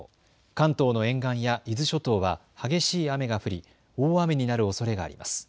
関東の沿岸や伊豆諸島は激しい雨が降り大雨になるおそれがあります。